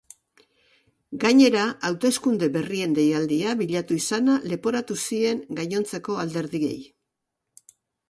Gainera, hauteskunde berrien deialdia bilatu izana leporatu zien gainontzeko alderdiei.